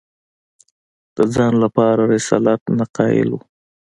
د ځان لپاره رسالت نه قایل وو